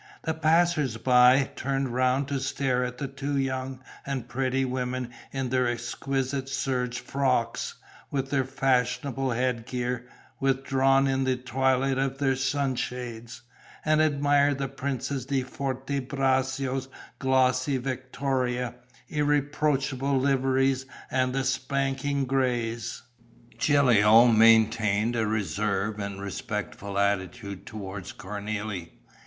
The passers by turned round to stare at the two young and pretty women in their exquisite serge frocks, with their fashionable headgear withdrawn in the twilight of their sunshades, and admired the Princess di Forte Braccio's glossy victoria, irreproachable liveries and spanking greys. Gilio maintained a reserved and respectful attitude towards Cornélie.